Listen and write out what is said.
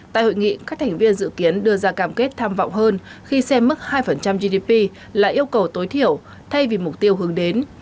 tại hội nghị các thành viên dự kiến đưa ra cam kết tham vọng hơn khi xem mức hai gdp là yêu cầu tối thiểu thay vì mục tiêu hướng đến